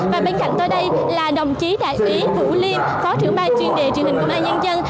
và bên cạnh tôi đây là đồng chí đại úy vũ liêm phó trưởng ban chuyên đề truyền hình công an nhân dân